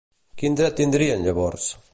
I quin dret tindrien, llavors?